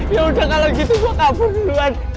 ya udah kalau gitu requiem